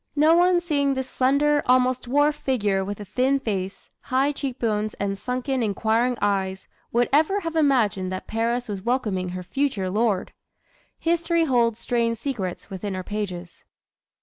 No one seeing this slender, almost dwarfed, figure with the thin face, high cheekbones and sunken, inquiring eyes, would ever have imagined that Paris was welcoming her future lord. History holds strange secrets within her pages.